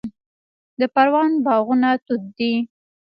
د پروان باغونه توت دي